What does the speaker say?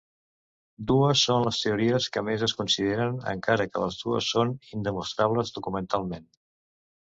Dues són les teories que més es consideren, encara que les dues són indemostrables documentalment.